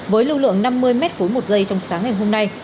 với lưu lượng năm mươi mét khối một giây trong sáng ngày hôm nay